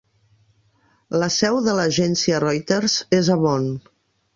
La seu de l'agència Reuters és a Bonn.